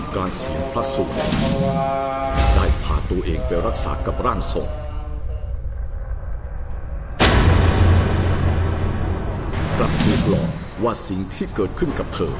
กลับถูกหลอกว่าสิ่งที่เกิดขึ้นกับเธอ